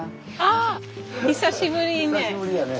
あっ久しぶりね。